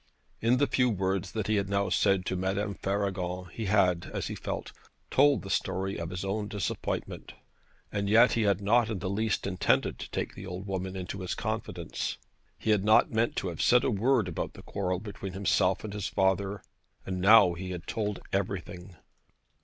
In the few words that he had now said to Madame Faragon he had, as he felt, told the story of his own disappointment; and yet he had not in the least intended to take the old woman into his confidence. He had not meant to have said a word about the quarrel between himself and his father, and now he had told everything.